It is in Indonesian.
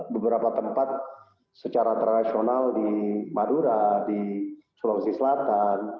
beberapa tempat secara tradisional di madura di sulawesi selatan